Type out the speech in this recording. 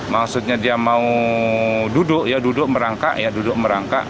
mau duduk ya duduk merangkak ya duduk merangkak